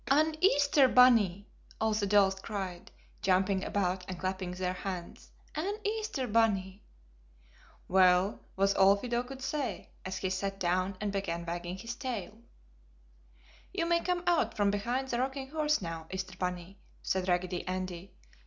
"An Easter bunny!" all the dolls cried, jumping about and clapping their hands. "An Easter bunny!" "Well!" was all Fido could say, as he sat down and began wagging his tail. "You may come out from behind the rocking horse now, Easter bunny!" said Raggedy Andy.